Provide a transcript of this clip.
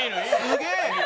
すげえ！